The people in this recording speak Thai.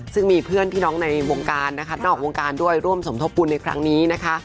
ซึ่งมีเพื่อนพี่น้องในวงการนะคะนอกวงการด้วยร่วมสมทบบุญในครั้งนี้นะคะ